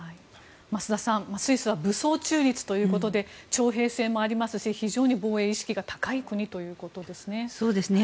増田さん、スイスは武装中立ということで徴兵制もありますし非常に防衛意識が高い国ということですね。